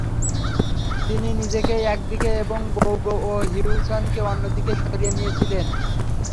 তিনি নিজেকে একদিকে এবং বৌগ ও হিউসনকে অন্যদিকে সরিয়ে নিয়েছিলেন।